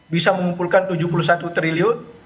bisa mengumpulkan tujuh puluh satu triliun